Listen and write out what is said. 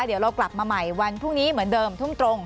เดี๋ยวเรากลับมาใหม่วันพรุ่งนี้เหมือนเดิมทุ่มตรง